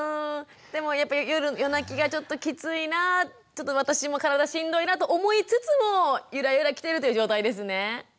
でもやっぱり夜夜泣きがちょっときついなぁちょっと私も体しんどいなと思いつつもゆらゆらきてるという状態ですね。